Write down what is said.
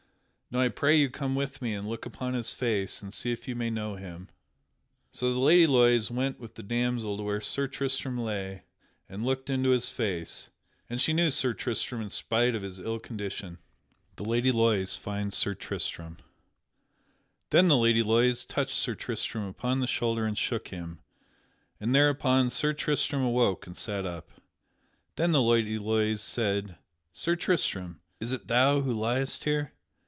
Now I pray you come with me and look upon his face and see if you may know him." So the Lady Loise went with the damsel to where Sir Tristram lay and looked into his face, and she knew Sir Tristram in spite of his ill condition. [Sidenote: The Lady Loise finds Sir Tristram] Then the Lady Loise touched Sir Tristram upon the shoulder and shook him, and thereupon Sir Tristram awoke and sat up. Then the Lady Loise said, "Sir Tristram, is it thou who liest here?"